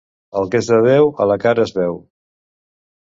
El que és de Déu, a la cara es veu.